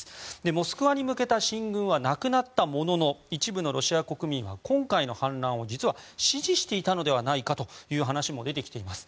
モスクワに向けた進軍はなくなったものの一部のロシア国民が今回の反乱を実は支持していたのではないかという話も出てきています。